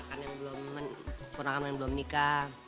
konakan yang belum nikah